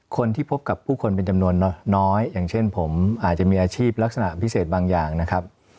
คนที่พบกับผู้คนเป็นจำนวนน้อยอย่างเช่นผมอาจจะมีอาชีพลักษณะพิเศษบางอย่างนะครับ